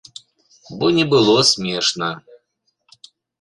Бо не было смешна.